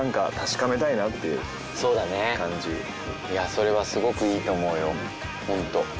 それはすごくいいと思うよ本当。